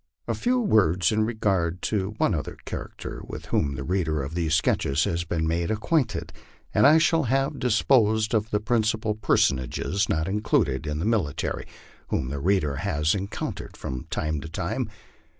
A few words in regard to one other character with whom the reader of these sketches has been made acquainted, and I shall have disposed of the principal personages, not included in the military, whom the reader has en countered from time to time.